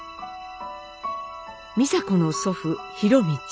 美佐子の祖父博通。